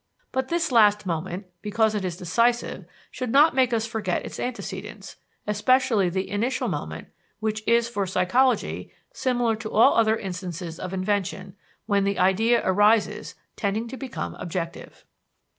But this last moment, because it is decisive, should not make us forget its antecedents, especially the initial moment, which is, for psychology, similar to all other instances of invention, when the idea arises, tending to become objective.